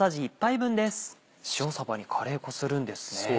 塩さばにカレー粉するんですね。